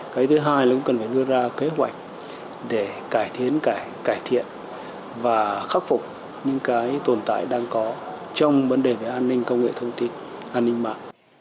cái thứ hai là cũng cần phải đưa ra kế hoạch để cải tiến cải cải thiện và khắc phục những cái tồn tại đang có trong vấn đề về an ninh công nghệ thông tin an ninh mạng